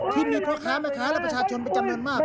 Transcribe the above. ที่มีพ่อค้าแม่ค้าและประชาชนเป็นจำนวนมาก